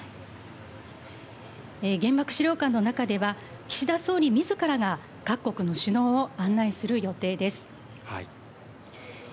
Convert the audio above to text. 原爆資料館の中では岸田総理自らが各国の首脳を案内する予定です。